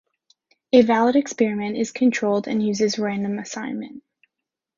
A valid experiment is controlled and uses random assignment.